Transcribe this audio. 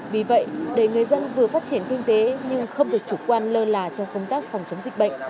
vì vậy để người dân vừa phát triển kinh tế nhưng không được chủ quan lơ là trong công tác phòng chống dịch bệnh